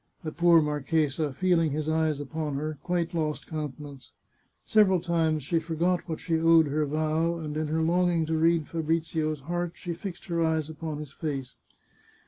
The poor marchesa, feeling his eyes upon her, quite lost countenance. Several times she forgot what she owed her vow, and in her longing to read Fabrizio's heart, she fixed her eyes upon his face.